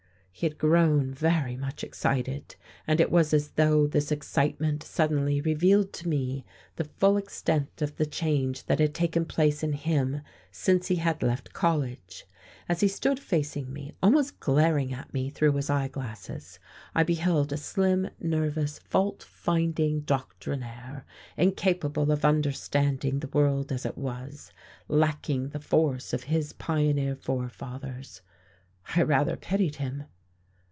He had grown very much excited; and it was as though this excitement suddenly revealed to me the full extent of the change that had taken place in him since he had left college. As he stood facing me, almost glaring at me through his eye glasses, I beheld a slim, nervous, fault finding doctrinaire, incapable of understanding the world as it was, lacking the force of his pioneer forefathers. I rather pitied him.